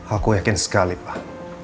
aku yakin sekali pak